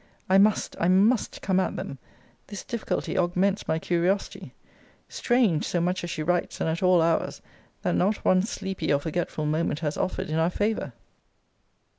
I must, I must come at them. This difficulty augments my curiosity. Strange, so much as she writes, and at all hours, that not one sleepy or forgetful moment has offered in our favour!